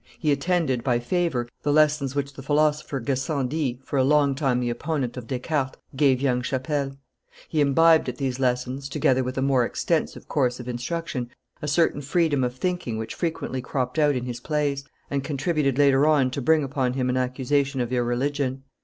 He attended, by favor, the lessons which the philosopher Gassendi, for a longtime, the opponent of Descartes, gave young Chapelle. He imbibed at these lessons, together with a more extensive course of instruction, a certain freedom of thinking which frequently cropped out in his plays, and contributed later on to bring upon him an accusation of irreligion.